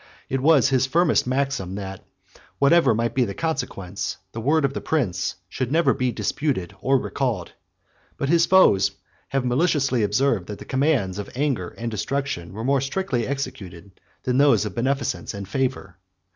It was his firmest maxim, that whatever might be the consequence, the word of the prince should never be disputed or recalled; but his foes have maliciously observed, that the commands of anger and destruction were more strictly executed than those of beneficence and favor.